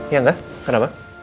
ya nggak kenapa